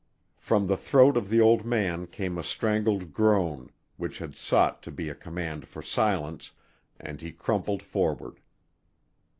From the throat of the old man came a strangled groan, which had sought to be a command for silence, and he crumpled forward.